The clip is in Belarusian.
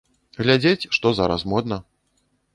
Глядзець, што зараз модна.